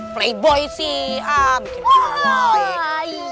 playboy sih ah bikin kemauan